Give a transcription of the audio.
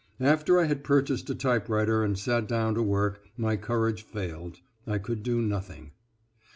After I had purchased a typewriter and sat down to work, my courage failed; I could do nothing.